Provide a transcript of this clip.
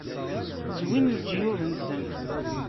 Zwin leǧyub-nnsen.